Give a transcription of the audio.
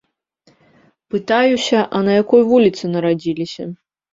Пытаюся, а на якой вуліцы нарадзіліся.